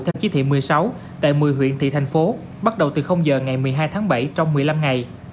theo chí thị một mươi sáu tại một mươi huyện thị thành phố bắt đầu từ giờ ngày một mươi hai tháng bảy trong một mươi năm ngày